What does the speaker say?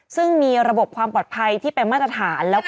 ซึ่งมีระบบความปลอดภัยที่เป็นมาตรฐาน